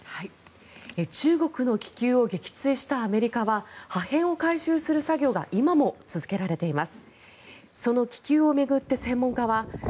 中国の気球を撃墜したアメリカは破片を回収する作業が今も続けられています。